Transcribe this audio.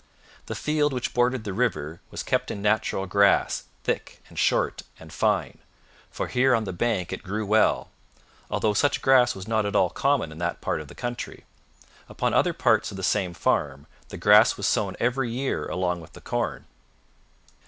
The field which bordered the river was kept in natural grass, thick and short and fine, for here on the bank it grew well, although such grass was not at all common in that part of the country: upon other parts of the same farm, the grass was sown every year along with the corn.